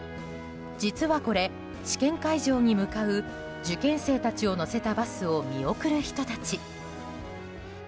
実はこれ、試験会場に向かう受験生たちを乗せたバスを見送る人たち。